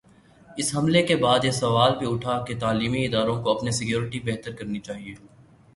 اس حملے کے بعد یہ سوال بھی اٹھا کہ تعلیمی اداروں کو اپنی سکیورٹی بہتر کرنی چاہیے۔